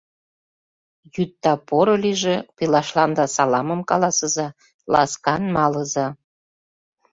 — Йӱдда поро лийже, пелашланда саламым каласыза, ласкан малыза.